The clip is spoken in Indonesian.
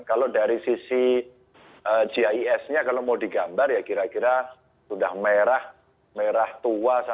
kalau dari sisi gis nya kalau mau digambar ya kira kira sudah merah merah tua